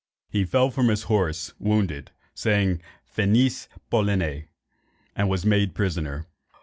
He fell from his horse wounded, saying Finis Poloniæ, and was made prisoner.